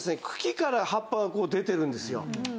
茎から葉っぱがこう出てるんですよ。